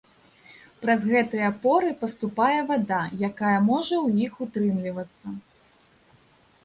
Праз гэтыя поры паступае вада, якая можа ў іх утрымлівацца.